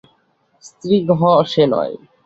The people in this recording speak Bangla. স্ত্রীগ্রহ সে নয়।